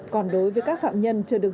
còn đối với các phạm nhân chưa được giải quyết